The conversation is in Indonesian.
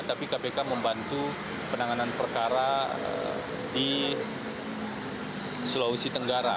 tapi kpk membantu penanganan perkara di sulawesi tenggara